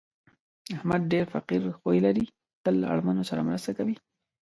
احمد ډېر فقیر خوی لري، تل له اړمنو سره مرسته کوي.